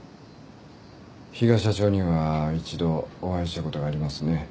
比嘉社長には一度お会いしたことがありますね。